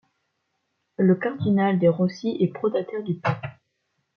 Le cardinal de' Rossi est pro-dataire du pape.